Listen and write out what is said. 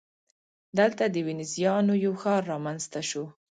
دلته د وینزیانو یو ښار رامنځته شو